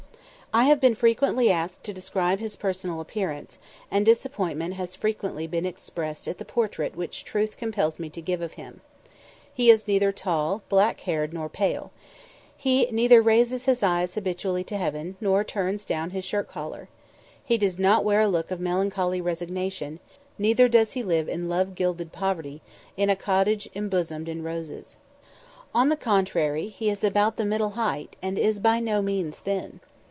I have been frequently asked to describe his personal appearance, and disappointment has frequently been expressed at the portrait which truth compels me to give of him. He is neither tall, black haired, nor pale; he neither raises his eyes habitually to heaven, nor turns down his shirt collar. He does not wear a look of melancholy resignation, neither does he live in love gilded poverty, in a cottage embosomed in roses. On the contrary, he is about the middle height, and is by no means thin.